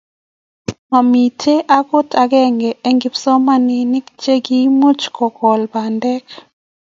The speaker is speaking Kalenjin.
Mami agot agenge rng' kipsomanik che koimuch ko kole pandek